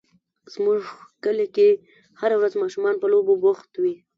زموږ کلي کې هره ورځ ماشومان په لوبو بوخت وي.